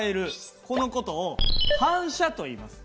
この事を「反射」といいます。